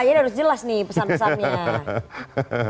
akhirnya harus jelas nih pesan pesannya